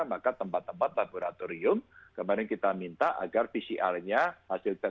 maka tempat tempat laboratorium kemarin kita minta agar pcrnya hasil test pcrnya itu bisa lebih cepat